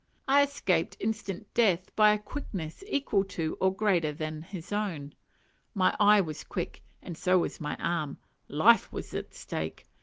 I escaped instant death by a quickness equal to or greater than his own. My eye was quick, and so was my arm: life was at stake.